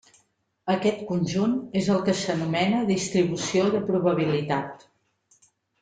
Aquest conjunt és el que s'anomena distribució de probabilitat.